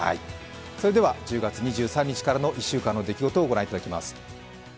１０月２３日からの１週間の出来事を御覧いただきます。